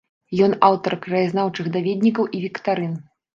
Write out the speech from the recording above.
Ён аўтар краязнаўчых даведнікаў і віктарын.